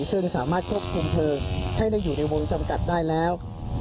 ซึ่งสามารถควบคุมเพลิงให้ได้อยู่ในวงจำกัดได้แล้ว